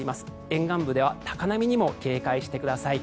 沿岸部では高波にも警戒してください。